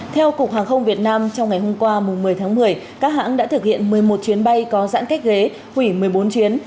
theo cục hàng không việt nam trong ngày hôm qua một mươi tháng một mươi các hãng đã thực hiện một mươi một chuyến bay có giãn cách ghế hủy một mươi bốn chuyến